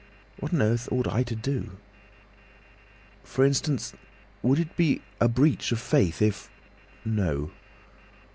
What on earth ought I to do?" "For instance, would it be a breach of faith if—? No."